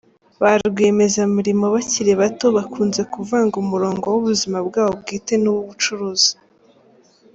Ba rwiyemezamirimo bakiri bato bakunze kuvanga umurongo w’ubuzima bwabo bwite n’uw’ubucuruzi.